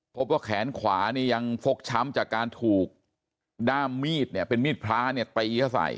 พบว่าแขนขวานี่ยังฟกช้ำจากการถูกด้ามมีดพระไปล้อข้าวใส่